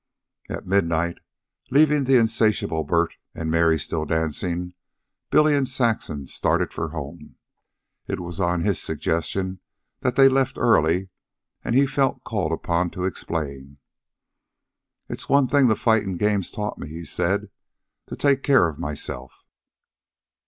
At midnight, leaving the insatiable Bert and Mary still dancing, Billy and Saxon started for home. It was on his suggestion that they left early, and he felt called upon to explain. "It's one thing the fightin' game's taught me," he said. "To take care of myself.